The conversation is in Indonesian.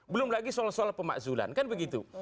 belum lagi soal soal pemakzulan kan begitu